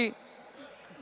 kepala dinas penanian